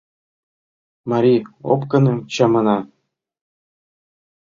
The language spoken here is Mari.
Марий опкыным чамана.